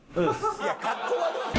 いや格好悪いよ。